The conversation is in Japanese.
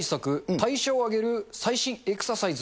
代謝を上げる最新エクササイズ！